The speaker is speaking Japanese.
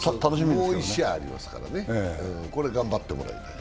もう１試合ありますからね、これ頑張ってもらいたい。